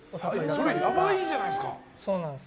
それ、やばいじゃないですか。